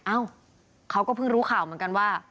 เอ้าเขาก็เพิ่งรู้ข่าวเหมือนกันว่า